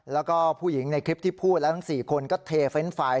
แล้วก็ผู้หญิงในคลิปที่พูดแล้วทั้ง๔คนก็เทรนด์ไฟล์